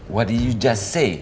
what did you just say